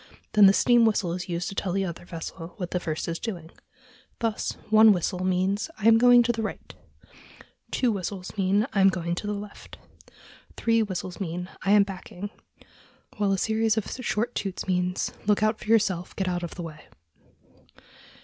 Then the steam whistle is used to tell the other vessel what the first is doing. Thus, one whistle means "I am going to the right"; two whistles mean "I am going to the left"; and three whistles mean "I am backing"; while a series of short toots means "Look out for yourself; get out of the way!"